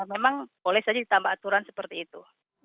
memang boleh saja ditambah aturan seperti itu